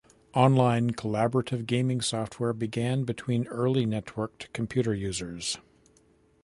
Online collaborative gaming software began between early networked computer users.